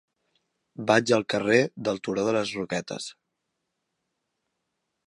Vaig al carrer del Turó de les Roquetes.